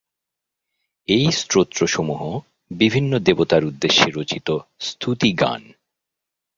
এই স্তোত্রসমূহ বিভিন্ন দেবতার উদ্দেশে রচিত স্তুতিগান।